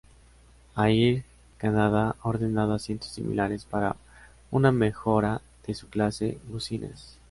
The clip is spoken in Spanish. Air Canada ha ordenado asientos similares para una mejora de su Clase Business.